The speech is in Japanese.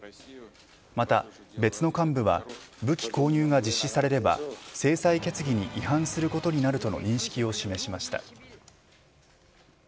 また、別の幹部は武器購入が実施されれば制裁決議に違反することになるとの認識を示しました。